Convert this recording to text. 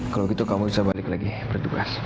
kalau gitu kamu bisa balik lagi bertugas